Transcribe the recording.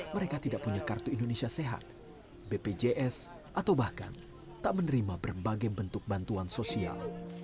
mereka tidak punya kartu indonesia sehat bpjs atau bahkan tak menerima berbagai bentuk bantuan sosial